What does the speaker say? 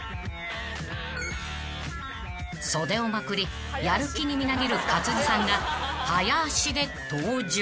［袖をまくりやる気にみなぎる勝地さんが早足で登場］